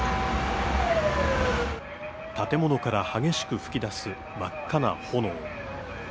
建物から激しく噴き出す真っ赤な炎。